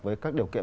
với các điều kiện